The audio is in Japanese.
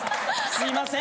すいません。